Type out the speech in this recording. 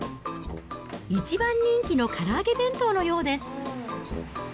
一番人気のから揚げ弁当のようです。